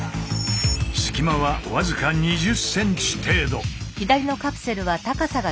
隙間は僅か２０ｃｍ程度。